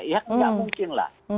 ya tidak mungkinlah